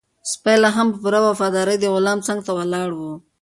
سپی لا هم په پوره وفادارۍ د غلام څنګ ته ولاړ و.